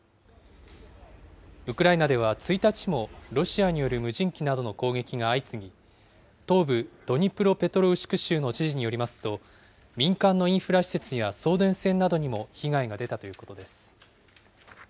ウクライナでは１日も、ロシアによる無人機などの攻撃が相次ぎ、東部ドニプロペトロウシク州の知事によりますと、民間のインフラ施設や送電線などにも被害が出たということです。